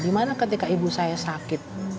gimana ketika ibu saya sakit